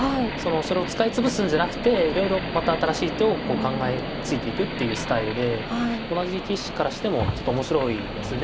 それを使い潰すんじゃなくていろいろまた新しい手を考えついていくっていうスタイルで同じ棋士からしてもちょっと面白いですね